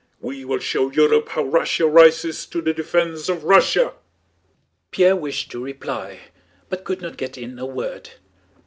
We will show Europe how Russia rises to the defense of Russia!" Pierre wished to reply, but could not get in a word.